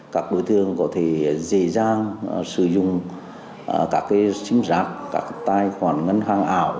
các đối tượng có thể dễ dàng sử dụng các cái chính giác các cái tài khoản ngân hàng ảo